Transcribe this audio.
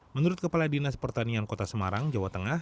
menurut kepala dinas pertanian kota semarang jawa tengah